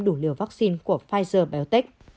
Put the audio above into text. đủ liều vaccine của pfizer biontech